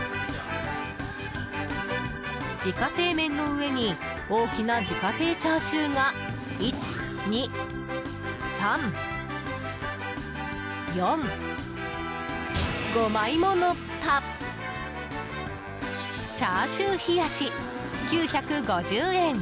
自家製麺の上に大きな自家製チャーシューが１、２、３、４、５枚ものったチャーシュー冷やし、９５０円。